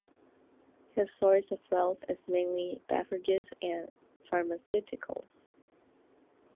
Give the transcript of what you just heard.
His source of wealth is mainly beverages and pharmaceuticals.